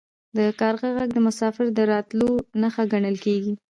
د کارغه غږ د مسافر د راتلو نښه ګڼل کیږي.